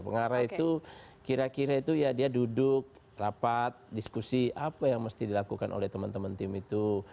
pengarah itu kira kira itu ya dia duduk rapat diskusi apa yang mesti dilakukan oleh teman teman tim itu